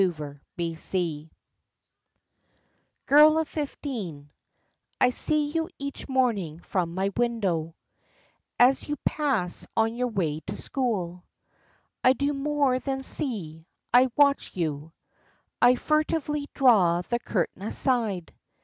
GIRL OF FIFTEEN Girl of fifteen, I see you each morning from my window As you pass on your way to school. I do more than see, I watch you. I furtively draw the curtain aside.